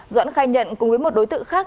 doãn khai nhận cùng với một đối tượng khác